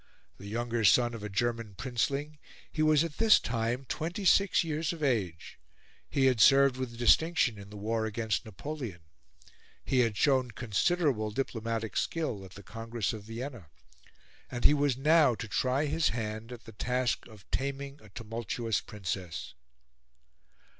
The younger son of a German princeling, he was at this time twenty six years of age; he had served with distinction in the war against Napoleon; he had shown considerable diplomatic skill at the Congress of Vienna; and he was now to try his hand at the task of taming a tumultuous Princess.